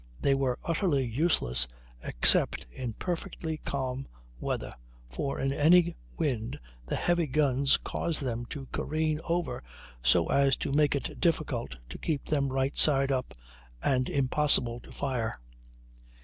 They were utterly useless except in perfectly calm weather, for in any wind the heavy guns caused them to careen over so as to make it difficult to keep them right side up, and impossible to fire.